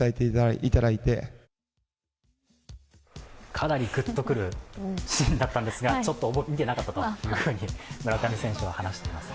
かなりグッとくるシーンだったんですがちょっと見ていなかったと村上選手は話しています。